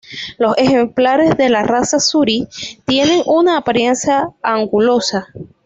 Los ejemplares de la raza Suri tienen una apariencia angulosa.